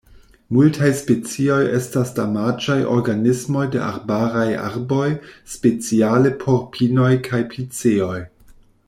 Multaj specioj estas damaĝaj organismoj de arbaraj arboj, speciale por pinoj kaj piceoj.